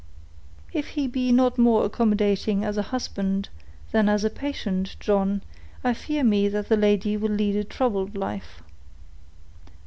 "If he be not more accommodating as a husband than as a patient, John, I fear me that the lady will lead a troubled life."